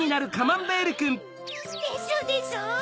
でしょでしょ！